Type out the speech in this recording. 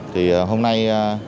thì hôm nay